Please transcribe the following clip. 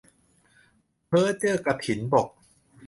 เพ้อเจ้อกฐินบก